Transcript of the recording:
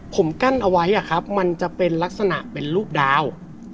ผมกั้นเอาไว้มันจะเป็นลักษณะเป็นรูปดาว